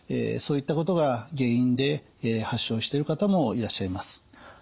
そういったことが原因で発症してる方もいらっしゃいます。